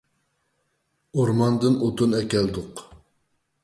ئورماندىن ئوتۇن ئەكەلدۇق.